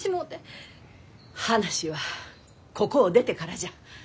話はここを出てからじゃ。